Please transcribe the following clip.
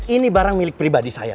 ini barang milik pribadi saya